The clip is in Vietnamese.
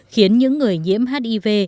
khiến những người nhiễm hiv